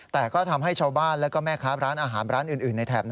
แต่ก็ทำให้ชาวบ้านและแม่ค้าร้านอาหารร้านอื่นในแถบ